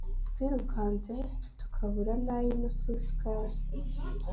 twirukatse tukabura nayinusu y’isukari